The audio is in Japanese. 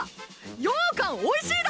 ようかんおいしいだ！